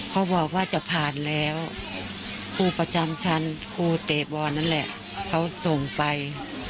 เขาบอกว่าจะผ่านแล้วครูประจำชั้นครูเตะบอลนั่นแหละเขาส่งไป